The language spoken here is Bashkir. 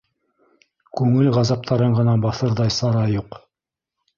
Күңел ғазаптарын ғына баҫырҙай сара юҡ.